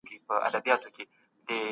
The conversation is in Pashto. بهرنی سیاست د هیواد لپاره نړیوال موقف ګټي.